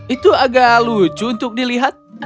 itu agak lucu untuk dilihat